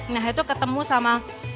nah itu ketemu sama